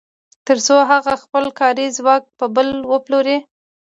تر څو هغه خپل کاري ځواک په بل وپلوري